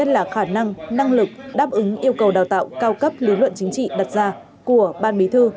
là khả năng năng lực đáp ứng yêu cầu đào tạo cao cấp lý luận chính trị đặt ra của ban bí thư